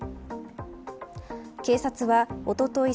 警察はおととい